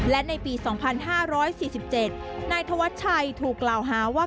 และในปี๒๕๔๗นายธวัชชัยถูกกล่าวหาว่า